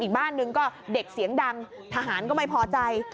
อีกบ้านหนึ่งก็เด็กเสียงดังทหารก็ไม่พอใจ